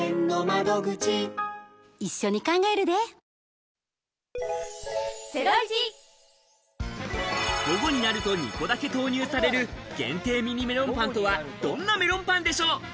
実は、午後になると２個だけ投入される、限定ミニメロンパンとは、どんなメロンパンでしょう？